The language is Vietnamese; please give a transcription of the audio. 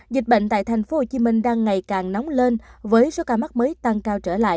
dịch bệnh tại tp hcm đang ngày càng nóng lên với số ca mắc mới tăng cao trở lại